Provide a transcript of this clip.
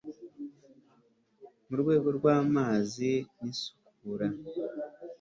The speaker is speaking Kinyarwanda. mu rwego rw' amazi n' isukura